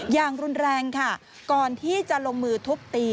อย่างรุนแรงค่ะก่อนที่จะลงมือทุบตี